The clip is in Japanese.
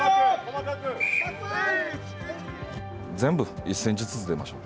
全部１センチずつ出ましょう。